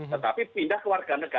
tetapi pindah ke warga negara